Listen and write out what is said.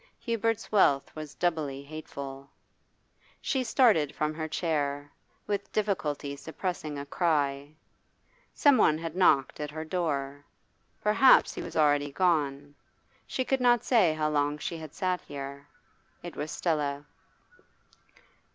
Hubert's wealth was doubly hateful. She started from her chair, with difficulty suppressing a cry. Someone had knocked at her door. Perhaps he was already gone; she could not say how long she had sat here. It was Stella.